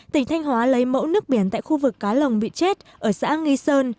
tỉnh thanh hóa lấy mẫu nước biển tại khu vực cá lồng bị chết ở xã nghi sơn